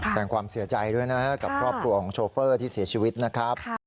แสดงความเสียใจด้วยนะครับกับครอบครัวของโชเฟอร์ที่เสียชีวิตนะครับ